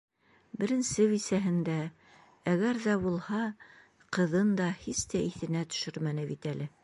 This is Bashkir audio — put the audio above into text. Беренсе бисәһен дә, әгәр ҙә булһа, ҡыҙын да һис тә иҫенә төшөрмәне бит әле.